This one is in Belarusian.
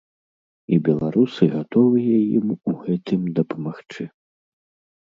І беларусы гатовыя ім у гэтым дапамагчы.